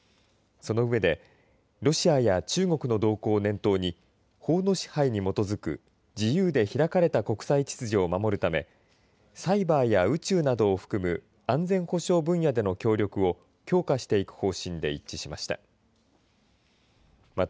その上でロシアや中国の動向を念頭に法の支配に基づく自由で開かれた国際秩序を守るためサイバーや宇宙などを含む安全保障分野での協力を強化していく方針で一致しました。